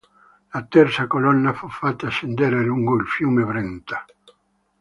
La terza colonna fu fatta scendere lungo il fiume Brenta.